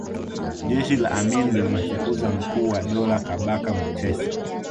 jeshi la amin lilimfukuza mkuu wa dola Kabaka mutesa